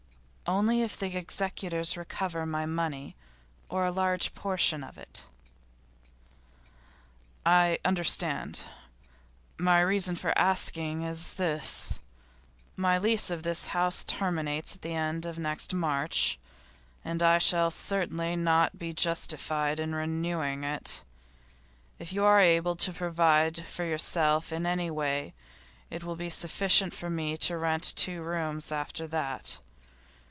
'Only if the executors recover my money, or a large portion of it.' 'I understand. My reason for asking is this. My lease of this house terminates at the end of next March, and I shall certainly not be justified in renewing it. If you are able to provide for yourself in any way it will be sufficient for me to rent two rooms after that.